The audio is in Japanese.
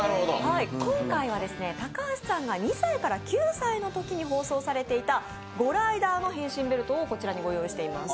今回は高橋さんが２歳から９歳のときに放送されていた５ライダーの変身ベルトをご用意しました。